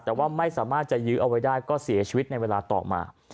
แต่ว่าไม่สามารถจะยื้อเอาไว้ได้ก็เสียชีวิตในเวลาต่อมา